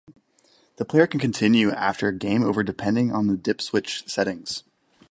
The player can continue after a game over depending on the dip switch settings.